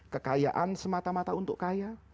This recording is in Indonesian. kekayaan semata mata untuk kaya